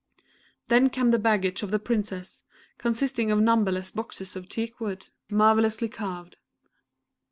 Then came the baggage of the Princess, consisting of numberless boxes of teak wood, marvelously carved.